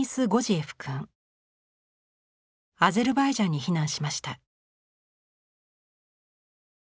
アゼルバイジャンに避難しました。